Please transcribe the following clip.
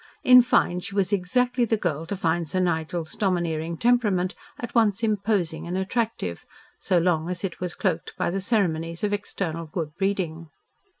In fine, she was exactly the girl to find Sir Nigel's domineering temperament at once imposing and attractive, so long as it was cloaked by the ceremonies of external good breeding.